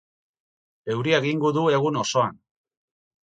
Euria egingo du egun osoan.